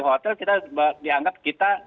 hotel kita dianggap kita